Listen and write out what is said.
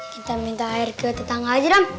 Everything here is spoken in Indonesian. kita minta air ke tetangga aja